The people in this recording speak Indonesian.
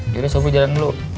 yaudah sobri jalan dulu